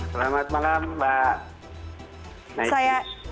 selamat malam mbak mayfri